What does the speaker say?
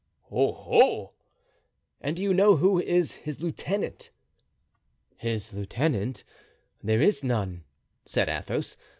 oh!" "And do you know who is his lieutenant?" "His lieutenant? There is none," said Athos.